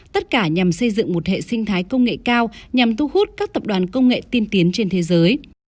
tất cả nhằm xây dựng một hệ sinh thái công nghệ cao nhằm thu hút các tập đoàn công nghệ tiên tiến trên thế giới